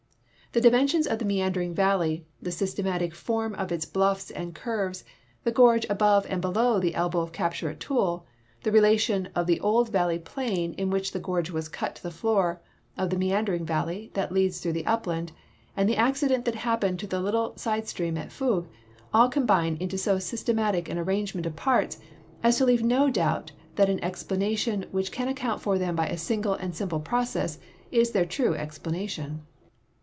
The dimensions of the meandering valle\% the systematic form of its bluffs and curves, the gorge above and below the elbow of capture at Toul, the relation of the old valley plain in which the gorge was cut to the floor of the meandering valley that leads through the upland, and the accident that hapj)ened to the little side stream at Foug, all combine into so S3^stematic an arrangement of parts as to leave no doubt that an explanation which can account for them by a single and simifle process is their true explanation.